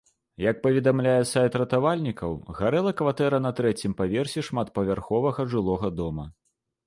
Як паведамляе сайт ратавальнікаў, гарэла кватэра на трэцім паверсе шматпавярховага жылога дома.